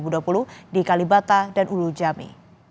lalu ini di kalibata dan ulujami